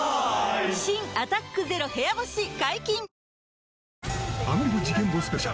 新「アタックＺＥＲＯ部屋干し」解禁‼